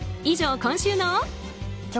以上、今週の。